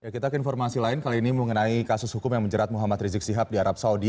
kita ke informasi lain kali ini mengenai kasus hukum yang menjerat muhammad rizik sihab di arab saudi